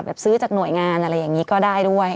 ซื้อจากหน่วยงานอะไรอย่างนี้ก็ได้ด้วย